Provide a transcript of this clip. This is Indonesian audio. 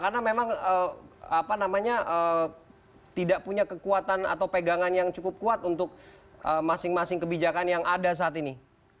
karena memang tidak punya kekuatan atau pegangan yang cukup kuat untuk masing masing kebijakan yang ada saat ini